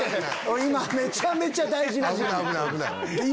今めちゃめちゃ大事な時期。